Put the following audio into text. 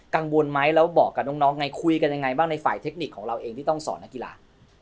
กังวลไหมแล้วบอกกับน้องไงคุยกันยังไงบ้างในฝ่ายเทคนิคของเราเองที่ต้องสอนนักกีฬา